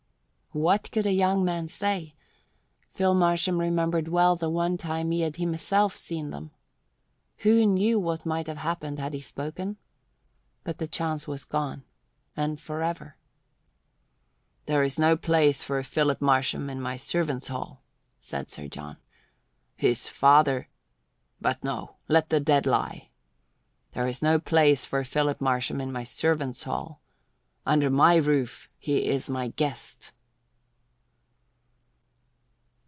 What could a young man say? Phil Marsham remembered well the one time he had himself seen them. Who knew what might have happened had he spoken? But the chance was gone, and for ever. "There is no place for Philip Marsham in my servants' hall," said Sir John. "His father but no! Let the dead lie. There is no place for Philip Marsham in my servants' hall. Under my roof he is my guest."